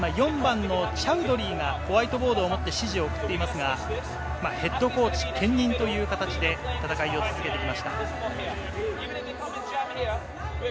４番のチャウドリーがホワイトボードを持って指示を送っていますが、ヘッドコーチ兼任という形で戦いを続けていきました。